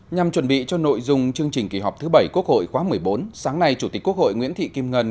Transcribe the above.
nhằm chuẩn bị cho nội dung chương trình kỳ họp thứ bảy quốc hội khóa một mươi bốn sáng nay chủ tịch quốc hội nguyễn thị kim ngân